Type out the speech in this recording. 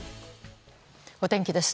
お天気です。